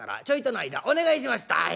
ちょいとの間お願いしました」。